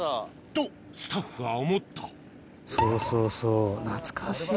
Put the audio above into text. とスタッフは思ったそうそうそう懐かしい。